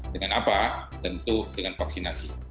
dengan apa tentu dengan vaksinasi